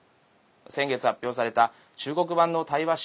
先月、発表された中国版の対話式